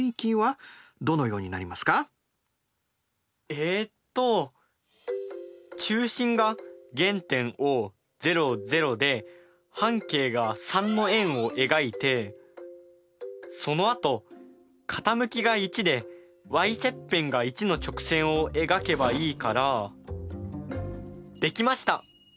えっと中心が原点Ｏで半径が３の円を描いてそのあと傾きが１でｙ切片が１の直線を描けばいいからできました。